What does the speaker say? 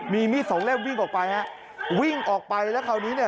มีมีดสองเล่มวิ่งออกไปฮะวิ่งออกไปแล้วคราวนี้เนี่ย